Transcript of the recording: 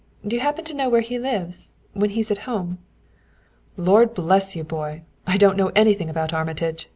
Do you happen to know where he lives when he's at home?" "Lord bless you, boy, I don't know anything about Armitage!"